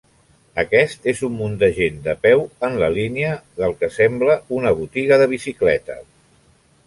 Aquest és un munt de gent de peu en la línia del que sembla una botiga de bicicletes.